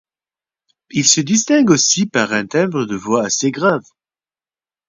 Il se distingue aussi par un timbre de voix assez grave.